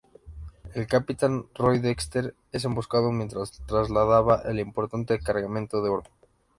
El capitán Roy Dexter es emboscado mientras trasladaba el importante cargamento de oro.